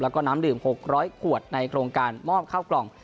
แล้วก็น้ำดื่ม๖๐๐ขวดในโครงการมอบข้าวกล่อง